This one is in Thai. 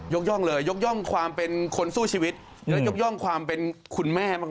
ย่องเลยยกย่องความเป็นคนสู้ชีวิตและยกย่องความเป็นคุณแม่มาก